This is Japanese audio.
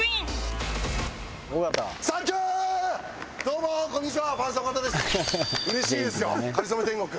うれしいですよ『かりそめ天国』。